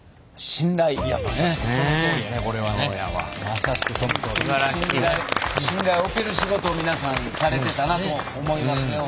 信頼信頼を置ける仕事を皆さんされてたなと思いますね。